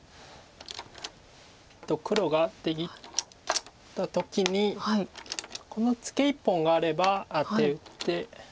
黒が出切った時にこのツケ１本があればアテて。